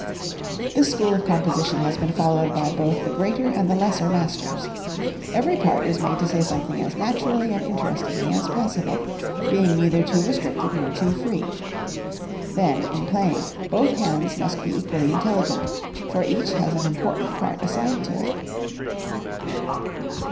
This school of composition has been followed by both the greater and the lesser masters. Every part is made to say something as naturally and interestingly as possible, being neither too restricted nor too free. Then, in playing, both hands must be equally intelligent, for each has an important part assigned to it.